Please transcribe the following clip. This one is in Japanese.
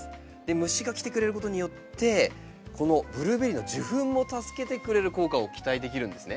虫が来てくれることによってこのブルーベリーの受粉も助けてくれる効果を期待できるんですね。